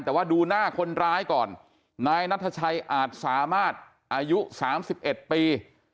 แต่ว่าดูหน้าคนร้ายก่อนนายนัทชัยอาจสามารถอายุ๓๑ปี